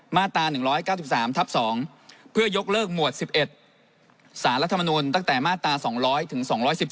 มาตรา๑๙๓ทับ๒เพื่อยกเลิกหมวด๑๑สารรัฐมนุนตั้งแต่มาตรา๒๐๐ถึง๒๑๒